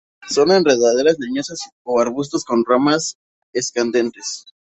Son enredaderas leñosas o arbustos con ramas escandentes.